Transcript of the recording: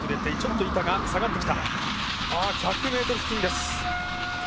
１００ｍ付近です。